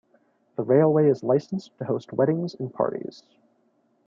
The railway is licensed to host weddings and parties.